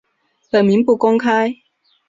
本名不公开。